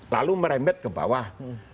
lalu merembet ke bawah